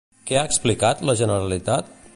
Què ha explicat la Generalitat?